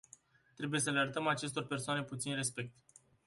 Trebuie să le arătăm acestor persoane puțin respect.